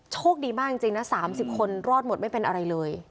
โชคดีมากจริงนะ๓๐คนรอดหมดไม่เป็นอะไรเลย